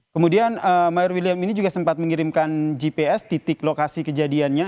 kemudian mayor william ini juga sempat mengirimkan gps titik lokasi kejadiannya